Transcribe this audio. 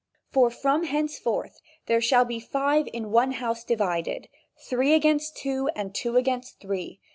For from henceforth there shall be five in one house divided, three against two, and two against three.